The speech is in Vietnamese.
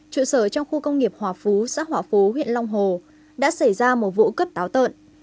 trụ sở trong khu công nghiệp hòa phú xã hòa phú huyện long hồ đã xảy ra một vụ cướp táo tợn